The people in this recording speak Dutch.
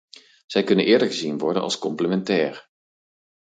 Zij kunnen eerder gezien worden als complementair.